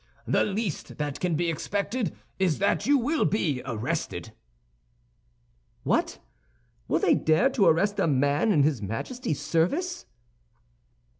The least that can be expected is that you will be arrested." "What! Will they dare to arrest a man in his Majesty's service?"